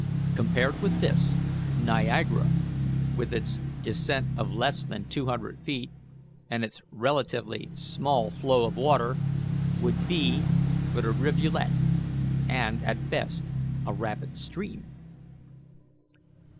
Compared with this, Niagara, with its descent of less than two hundred feet, and its relatively small flow of water, would be but a rivulet, or at best a rapid stream.